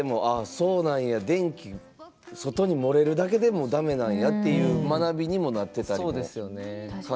そうなんや電気外に漏れるだけでも駄目なんやっていう学びにもなってたりね感じれましたもんね。